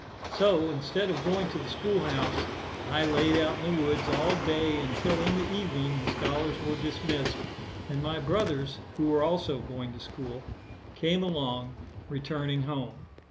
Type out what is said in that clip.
So, instead of going to the school house, I laid out in the woods all day until in the evening the scholars were dismissed, and my brothers, who were also going to school, came along, returning home.